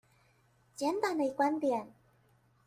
簡短的觀點